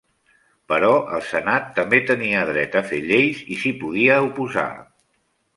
Però el senat també tenia dret a fer lleis i s'hi podia oposar.